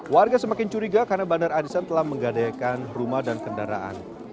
warga semakin curiga karena bandar arisan telah menggadaikan rumah dan kendaraan